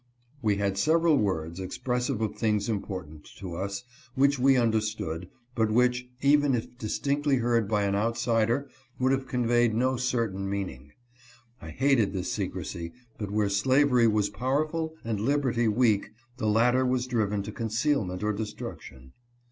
We had several words, expressive of things important to us, which we understood, but which, even if distinctly heard by an outsider, would have conveyed no certain meaning. I hated this secrecy, but where slavery was powerful, and liberty weak, the latter was driven to con cealment or destruction.